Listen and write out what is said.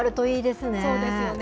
そうですよね。